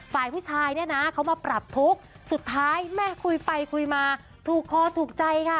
ฝ่ายผู้ชายเนี่ยนะเขามาปรับทุกข์สุดท้ายแม่คุยไปคุยมาถูกคอถูกใจค่ะ